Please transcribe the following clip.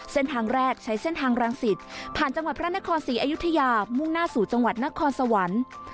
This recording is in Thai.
เส้นทางแรกใช้เส้นทางรังสิตผ่านจังหวัดพระนครศรีอยุธยามุ่งหน้าสู่จังหวัดนครสวรรค์